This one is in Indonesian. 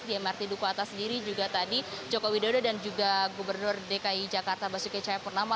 di mrt duku atas sendiri juga tadi joko widodo dan juga gubernur dki jakarta basuki cahayapurnama